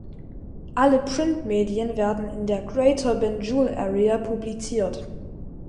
Alle Printmedien werden in der Greater Banjul Area publiziert.